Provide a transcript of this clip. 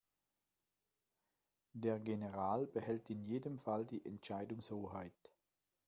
Der General behält in jedem Fall die Entscheidungshoheit.